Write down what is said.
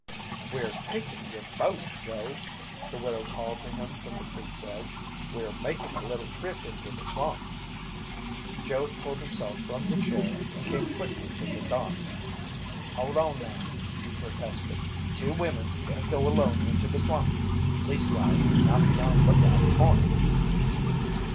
"We're takin' yer boat, Joe," the widow called to him from the creek's edge. "We're makin' a little trip into the swamp." Joe pulled himself from the chair and came quickly to the dock. "Hold on now!" he protested. "Two wimmin can't go alone into the swamp! Leastwise, not beyond Lookout Point."